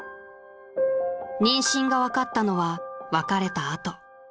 ［妊娠が分かったのは別れたあと］